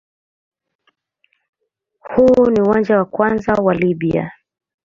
Huu ni uwanja wa kwanza wa Libya.